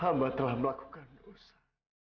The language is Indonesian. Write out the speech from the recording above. hamba telah melakukan dosa